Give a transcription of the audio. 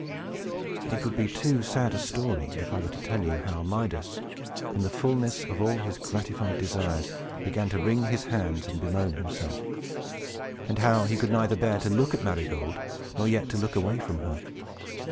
It would be too sad a story, if I were to tell you how Midas, in the fullness of all his gratified desires, began to wring his hands and bemoan himself; and how he could neither bear to look at Marygold, nor yet to look away from her.